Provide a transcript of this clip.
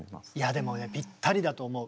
でもねぴったりだと思う。